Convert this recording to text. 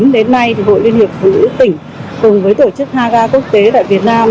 đến nay hội liên hiệp phụ nữ tỉnh cùng với tổ chức haga quốc tế tại việt nam